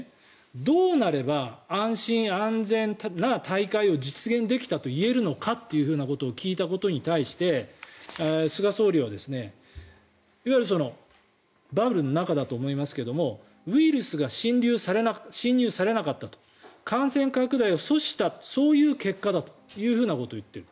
どうなれば安心安全な大会を実現できたといえるのか？ということを聞いたことに対して菅総理はいわゆるバブルの中だと思いますけどもウイルスが侵入されなかったと感染拡大を阻止したそういう結果だということを言っている。